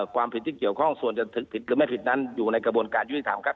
ความผิดที่เกี่ยวข้องส่วนจะผิดหรือไม่ผิดนั้นอยู่ในกระบวนการยุติธรรมครับ